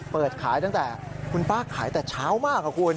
เปิดขายตั้งแต่คุณป้าขายแต่เช้ามากอะคุณ